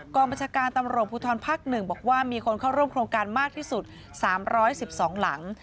บัญชาการตำรวจภูทรภักดิ์๑บอกว่ามีคนเข้าร่วมโครงการมากที่สุด๓๑๒หลัง